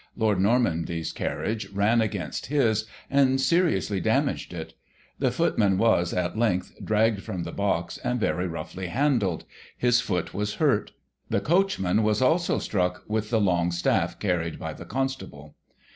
Lord Normanby*s carriage ran against his, and seriously damaged it. The footman was, at length, dragged from the box, and very roughly handled: his foot was hurt. The coachman was also struck with the long " staff '* carried by the " constable."